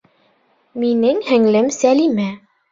Минең һеңлем Сәлимә